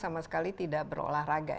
sama sekali tidak berolahraga